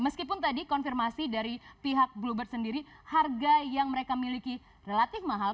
meskipun tadi konfirmasi dari pihak bluebird sendiri harga yang mereka miliki relatif mahal